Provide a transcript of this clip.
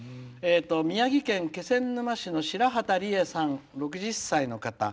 宮城県気仙沼市のしらはたりえさん、６０歳の方。